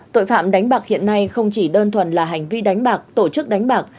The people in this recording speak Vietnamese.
tội phạm đánh bạc hiện nay không chỉ đơn thuần là hành vi đánh bạc tổ chức đánh bạc